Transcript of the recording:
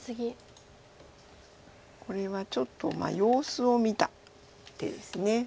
これはちょっと様子を見た手です。